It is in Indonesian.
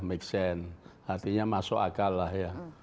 artinya masuk akal lah ya